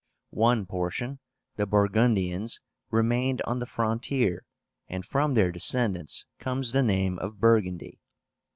One portion, the Burgundians, remained on the frontier, and from their descendants comes the name of Burgundy.